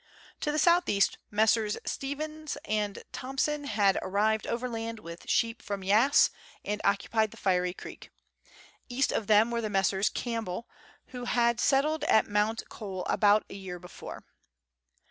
To the south east Messrs. Stevens and Thomson had arrived overland with sheep from Yass, and occupied the Fiery Creek. East of them were the Messrs. Camphell, who had settled at Mount Cole about a year before.